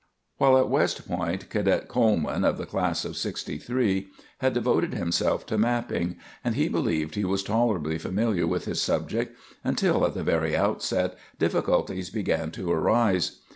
While at West Point, Cadet Coleman, of the class of '63, had devoted himself to mapping, and he believed he was tolerably familiar with his subject until, at the very outset, difficulties began to arise.